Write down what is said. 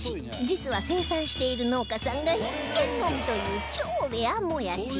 実は生産している農家さんが１軒のみという超レアもやし